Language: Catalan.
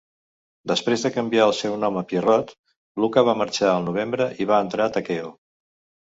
Després de canviar el seu nom a Pierrot, Luka ma marxar al novembre i va entrar Takeo.